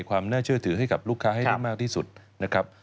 ความน่าเชื่อถือให้กับลูกค้าให้ได้มากที่สุดนะครับ